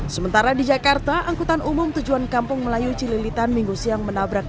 sementara di jakarta angkutan umum tujuan kampung melayu cililitan minggu siang menabrak